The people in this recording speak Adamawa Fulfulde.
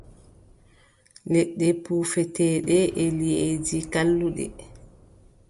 Leɗɗe puufeteeɗe e liʼeeji, kalluɗe.